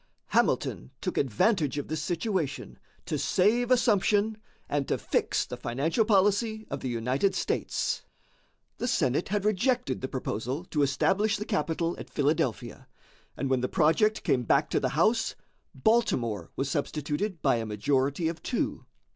Hamilton took advantage of this situation to save assumption and to fix the financial policy of the United States. The Senate had rejected the proposal to establish the capital at Philadelphia, and when the project came back to the House, Baltimore was substituted by a majority of two.